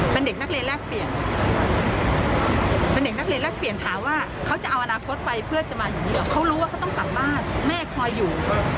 เป็นเด็กนักเรียนแลกเปลี่ยนเป็นเด็กนักเรียนแลกเปลี่ยนถามว่าเขาจะเอาอนาคตไปเพื่อจะมาอย่างนี้หรอเขารู้ว่าเขาต้องกลับบ้านแม่คอยอยู่